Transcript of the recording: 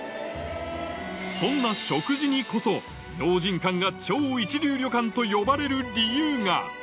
そんな食事にこそ、明神館が超一流旅館といわれる理由は？